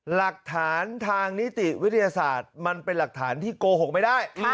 หลักฐานทางนิติวิทยาศาสตร์มันเป็นหลักฐานที่โกหกไม่ได้